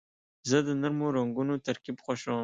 زه د نرمو رنګونو ترکیب خوښوم.